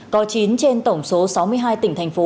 có chín trên tổng số sáu mươi hai tỉnh thành phố